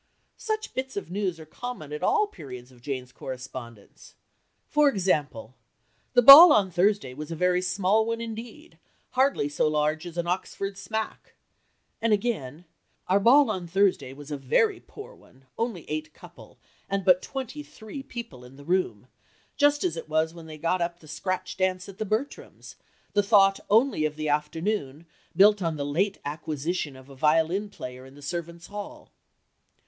Such bits of news are common at all periods of Jane's correspondence. For example: "The ball on Thursday was a very small one indeed, hardly so large as an Oxford smack;" and again, "Our ball on Thursday was a very poor one, only eight couple, and but twenty three people in the room" just as it was when they got up the scratch dance at the Bertrams, "the thought only of the afternoon, built on the late acquisition of a violin player in the servants' hall."